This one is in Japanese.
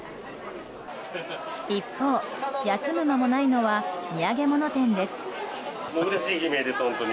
一方、休む間もないのは土産物店です。